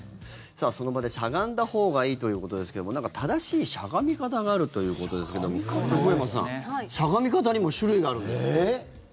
その場でしゃがんだほうがいいということですけども何か正しいしゃがみ方があるということですけども横山さん、しゃがみ方にも種類があるんですって。